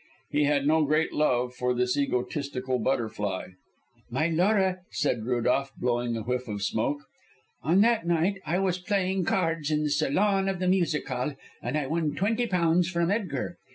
He had no great love for this egotistical butterfly. "My Laura," said Rudolph, blowing a whiff of smoke, "on that night I was playing cards in the salon of the music hall, and I won twenty pounds from Edgar.